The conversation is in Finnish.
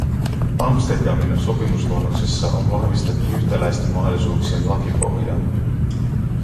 Amsterdamin sopimusluonnoksessa on vahvistettu yhtäläisten mahdollisuuksien lakipohjaa.